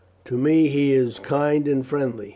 To me he is kind and friendly.